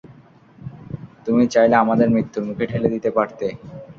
তুমি চাইলে আমাদের মৃত্যুর মুখে ঠেলে দিতে পারতে।